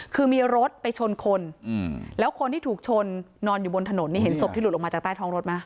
คือมีรถไปชนคนแล้วคนที่ถูกชนนอนอยู่บนถนนนี่เห็นศพที่หลุดออกมาจากใต้ท้องรถไหม